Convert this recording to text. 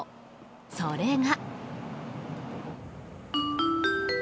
それが。